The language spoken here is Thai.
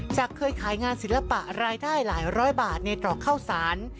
เคยขายงานศิลปะรายได้หลายร้อยบาทในตรอกข้าวสาร